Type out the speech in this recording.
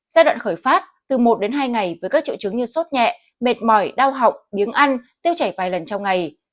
giai đoạn khởi phát từ một đến hai ngày với các triệu chứng như sốt nhẹ mệt mỏi đau họng biếng ăn tiêu chảy vài lần trong ngày